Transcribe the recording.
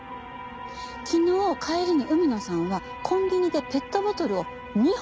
昨日帰りに海野さんはコンビニでペットボトルを２本買ったんですね。